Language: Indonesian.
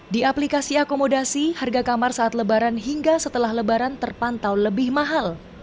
di aplikasi akomodasi harga kamar saat lebaran hingga setelah lebaran terpantau lebih mahal